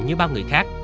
như bao người khác